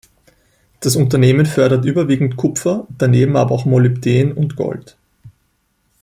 Das Unternehmen fördert überwiegend Kupfer, daneben aber auch Molybdän und Gold.